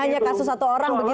ya kasus satu orang begitu ya